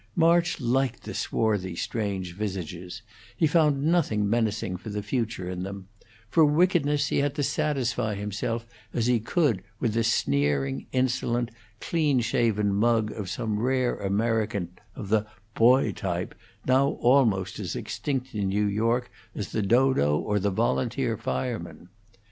March liked the swarthy, strange visages; he found nothing menacing for the future in them; for wickedness he had to satisfy himself as he could with the sneering, insolent, clean shaven mug of some rare American of the b'hoy type, now almost as extinct in New York as the dodo or the volunteer fireman.